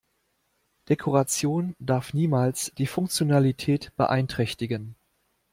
Dekoration darf niemals die Funktionalität beeinträchtigen.